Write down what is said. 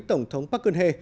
tổng thống park geun hye